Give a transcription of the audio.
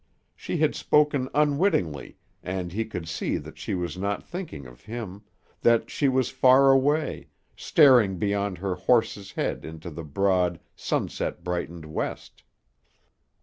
She had spoken unwittingly and he could see that she was not thinking of him, that she was far away, staring beyond her horse's head into the broad, sunset brightened west.